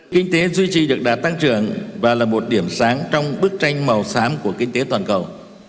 kinh tế duy trì được đạt tăng trưởng và là một điểm sáng trong bức tranh màu xám của kinh tế toàn cầu